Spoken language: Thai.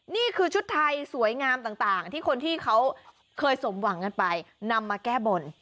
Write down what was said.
นี่คือชุดไทยสวยงามต่างที่คนที่เขาเคยสมหวังกันไปนำมาแก้บน